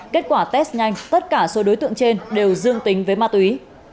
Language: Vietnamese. kết quả test nhanh tất cả số đối tượng trên đều dương tính với ma túy